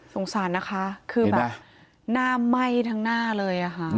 สงสารนะคะคือแบบหน้าไหม้ทั้งหน้าเลยค่ะ